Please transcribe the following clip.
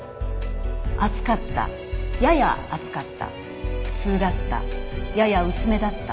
「厚かった」「やや厚かった」「普通だった」「やや薄めだった」